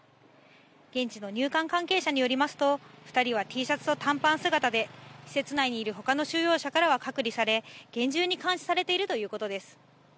現地の入管関係者によりますと、２人はＴシャツと短パン姿で、施設内にいるほかの収容者からは隔離され、厳重に監視されているということです。